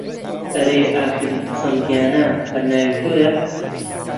ئەرێ ئاخەرین قەسەم گیانە هەر ناوی تۆیە